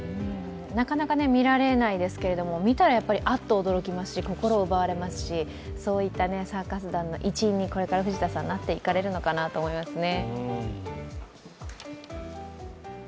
なかなか見られないですけれども、見たら、あっと驚きますし、心奪われますしそういったサーカス団の一員にこれから藤田さんなっていかれるのかなと思いますね。